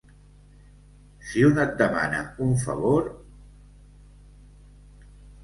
Si un et demana un favor...